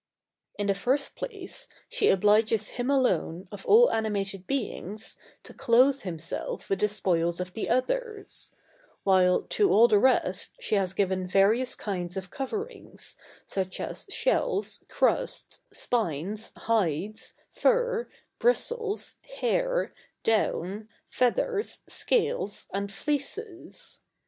In the first place, she obliges him alone, of all animated beings, to clothe himself with the spoils of the others; while, to all the rest, she has given various kinds of coverings, such as shells, crusts, spines, hides, fur, bristles, hair, down, feathers, scales, and fleeces.